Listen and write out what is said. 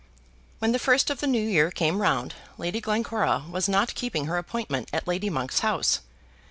When the first of the new year came round Lady Glencora was not keeping her appointment at Lady Monk's house.